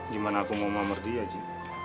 gimana aku mau nomor dia ji